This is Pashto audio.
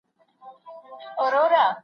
اومیدونو ته به مخه تېر وختونو ته به شاه کم